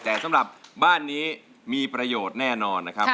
แต่สำหรับบ้านนี้มีประโยชน์แน่นอนนะครับ